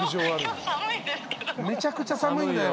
めちゃくちゃ寒いんだよ。